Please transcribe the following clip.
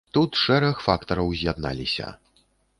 Тут шэраг фактараў з'ядналіся.